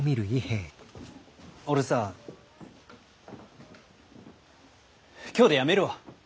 俺さ今日でやめるわ。